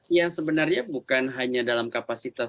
ya sebenarnya bukan hanya dalam kapasitas